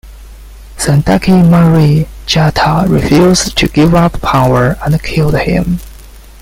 Sandaki Mari Djata refused to give up power and killed him.